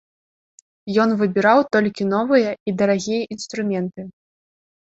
Ён выбіраў толькі новыя і дарагія інструменты.